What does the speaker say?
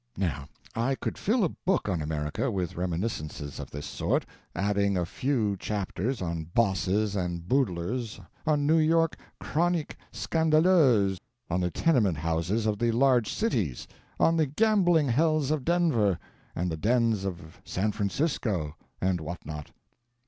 Now, I could fill a book on America with reminiscences of this sort, adding a few chapters on bosses and boodlers, on New York 'chronique scandaleuse', on the tenement houses of the large cities, on the gambling hells of Denver, and the dens of San Francisco, and what not!